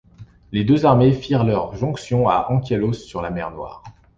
Les deux armées firent leur jonction à Anchialos sur la mer Noire.